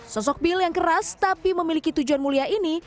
sosok bill yang keras tapi memiliki tujuan mulia ini